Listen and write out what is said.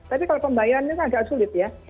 tapi kalau pembayarannya agak sulit ya